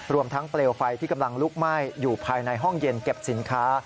รวมทั้งเปลวไฟที่กำลังลุกไหม้อยู่ภายในห้องเย็นเก็บสินค้า